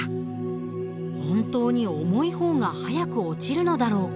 本当に重い方が早く落ちるのだろうか？